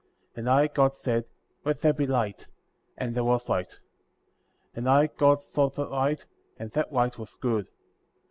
3. And I, God, said : Let there be light ; and there was light. , 4. And I, God, saw the light; and that light was good.